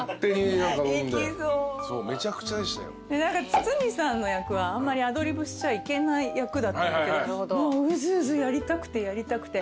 堤さんの役はあんまりアドリブしちゃいけない役だったんだけどもううずうずやりたくてやりたくて。